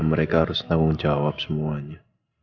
mereka harus tanggung jawab semuanya